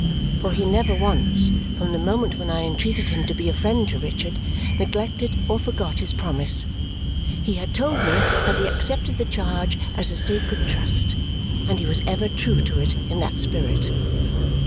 For he never once, from the moment when I entreated him to be a friend to Richard, neglected or forgot his promise. He had told me that he accepted the charge as a sacred trust, and he was ever true to it in that spirit.